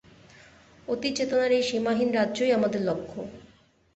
অতিচেতনার এই সীমাহীন রাজ্যই আমাদের লক্ষ্য।